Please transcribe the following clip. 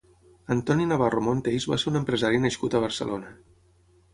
Antoni Navarro Monteys va ser un empresari nascut a Barcelona.